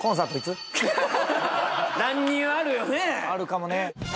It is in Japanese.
乱入あるよねあるかもね